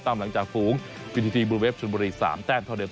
ตามหลังจากฝูงวิทยุทธิบรูเวฟชนบรี๓แต้มเท่าเดียว